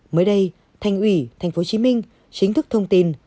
mới đây thành ủy tp hcm chính thức thông tin